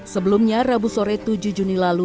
sebelumnya rabu sore tujuh juni lalu